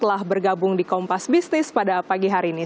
telah bergabung di kompas bisnis pada pagi hari ini